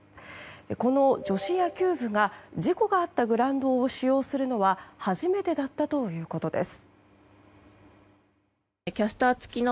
この女子野球部が事故があったグラウンドを使用するのは初めてだったということです。